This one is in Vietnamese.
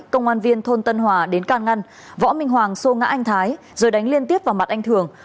công an viên thôn tân hòa đến can ngăn võ minh hoàng xô ngã anh thái rồi đánh liên tiếp vào mặt anh thường